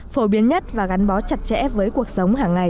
phổ biến nhất và gắn bó chặt chẽ với cuộc sống hàng ngày